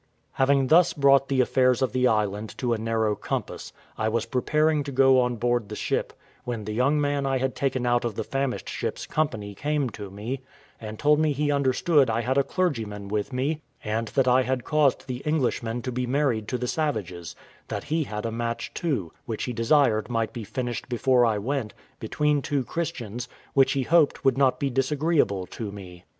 Having thus brought the affairs of the island to a narrow compass, I was preparing to go on board the ship, when the young man I had taken out of the famished ship's company came to me, and told me he understood I had a clergyman with me, and that I had caused the Englishmen to be married to the savages; that he had a match too, which he desired might be finished before I went, between two Christians, which he hoped would not be disagreeable to me.